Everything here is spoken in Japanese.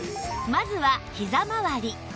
まずはひざまわり